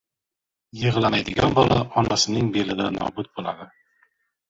• Yig‘lamaydigan bola onasining belida nobud bo‘ladi.